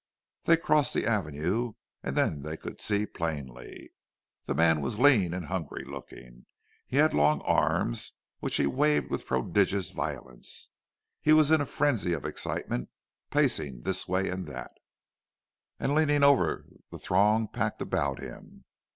They crossed the avenue, and then they could see plainly. The man was lean and hungry looking, and he had long arms, which he waved with prodigious violence. He was in a frenzy of excitement, pacing this way and that, and leaning over the throng packed about him.